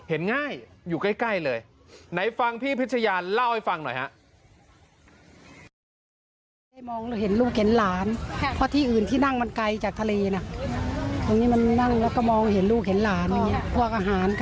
ง่ายอยู่ใกล้เลยไหนฟังพี่พิชยานเล่าให้ฟังหน่อยฮะ